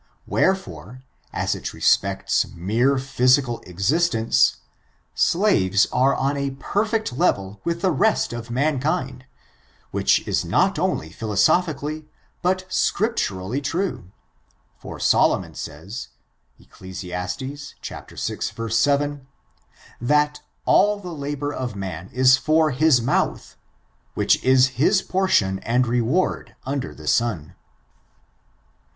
Wherefore, as it respects mere physical existence, slaves are on a perfect level with the rest of man kind, which is not only philosophically, but scriptirr ally, true ; for Solomon says, Eccl. vi, 7, that "o/Z the labor of roan is for his mouih,^ which is his por tion and reward under the sun.